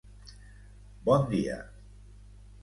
bon dia!